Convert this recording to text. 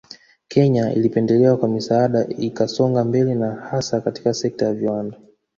Kenya ilipendelewa kwa misaada ikasonga mbele na hasa katika sekta ya viwanda